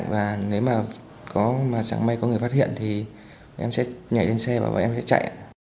và nếu mà chẳng may có người phát hiện thì em sẽ nhảy lên xe và bọn em sẽ chạy